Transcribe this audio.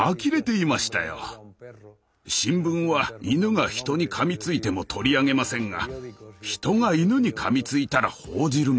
新聞は犬が人にかみついても取り上げませんが人が犬にかみついたら報じるものです。